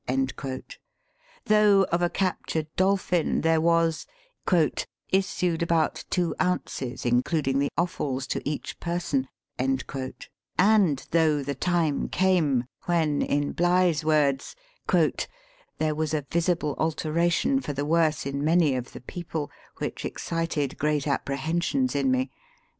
Though of a captured dolphin there was " issued about two ounces, including the offals, to each person;" and though the time came, when, in Bligh's words, " there was a visible alteration for the worse in many of the people which excited great apprehensions in me.